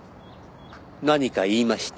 何か言いました？